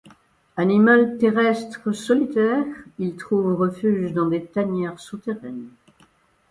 Animal terrestre solitaire, il trouve refuge dans des tanières souterraines.